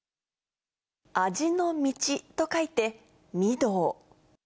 味の道と書いて、味道。